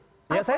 apa yang salah